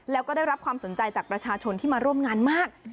แล้วก็ได้รับความสนใจจากประชาชนที่มาร่วมงานมาก